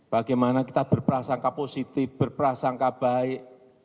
bagaimana kita berprasangka positif berprasangka baik